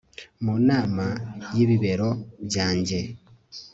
mu nama yibibero byanjye